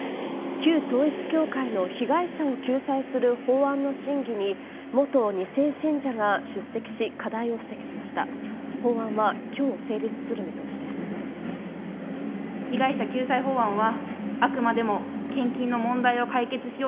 旧統一教会の被害者を救済する法案の審議に元２世信者が出席し、課題を指摘しました。